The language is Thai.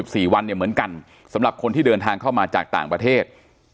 สี่วันเนี่ยเหมือนกันสำหรับคนที่เดินทางเข้ามาจากต่างประเทศ